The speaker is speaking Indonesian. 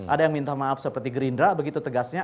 ada yang minta maaf seperti gerindra begitu tegasnya